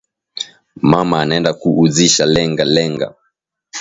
Mama anenda ku uzisha lenga lenga